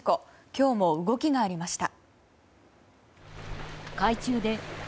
今日も動きがありました。